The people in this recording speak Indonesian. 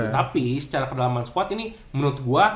tapi secara kedalaman squad ini menurut gue